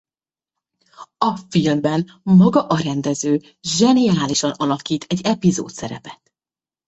A filmben maga a rendező zseniálisan alakít egy epizódszerepet.